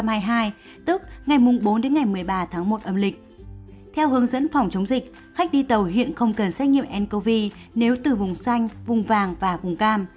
theo hướng dẫn phòng chống dịch khách đi tàu hiện không cần xét nghiệm ncov nếu từ vùng xanh vùng vàng và vùng cam